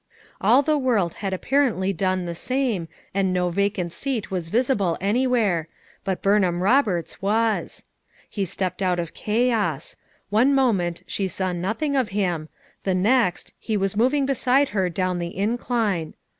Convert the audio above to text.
All the world had apparently done the same and no vacant seat was visible anywhere^ but Burnham Roberts was. He stepped out of chaos; one moment she saw nothing of him, the next, he was moving heside her down the incline.